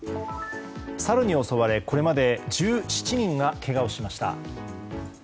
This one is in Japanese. サルに襲われこれまで１７人がけがをしました。